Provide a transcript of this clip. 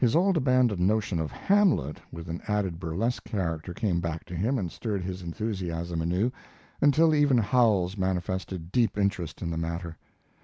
His old abandoned notion of "Hamlet" with an added burlesque character came back to him and stirred his enthusiasm anew, until even Howells manifested deep interest in the matter.